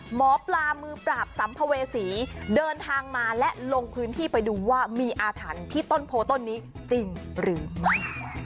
หมอปลามือปราบสัมภเวษีเดินทางมาและลงพื้นที่ไปดูว่ามีอาถรรพ์ที่ต้นโพต้นนี้จริงหรือไม่